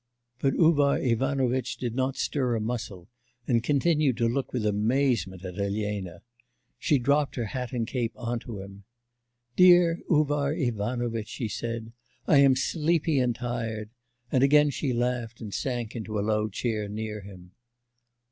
But Uvar Ivanovitch did not stir a muscle, and continued to look with amazement at Elena. She dropped her hat and cape on to him. 'Dear Uvar Ivanovitch,' she said, 'I am sleepy and tired,' and again she laughed and sank into a low chair near him.